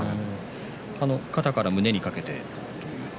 肩から胸にかけて。